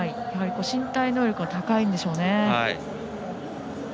身体能力が高いんでしょうね。